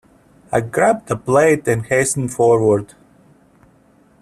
I grabbed a plate and hastened forward.